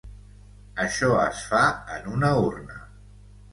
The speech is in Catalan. Això es fa en una urna.